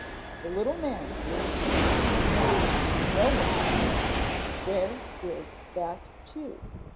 The little man drew his gun. "Now, you know what we mean. Where is that tube?"